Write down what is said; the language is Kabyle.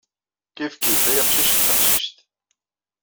Kifkif ay aqcic a taqcict.